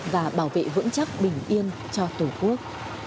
và bảo vệ vững chắc bình yên cho tổ quốc